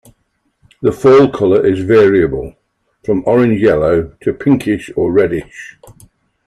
The fall color is variable, from orange-yellow to pinkish or reddish.